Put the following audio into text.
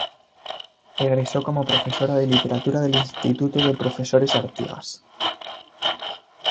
Egresó como profesora de literatura del Instituto de Profesores Artigas.